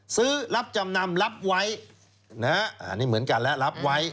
ซื้อรับจำนำรับไว้นี่เหมือนกันแล้วรับไว้